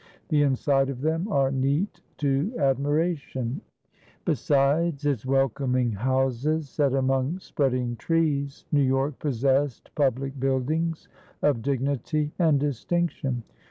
The inside of them are neat to admiration." Besides its welcoming houses set among spreading trees, New York possessed public buildings of dignity and distinction.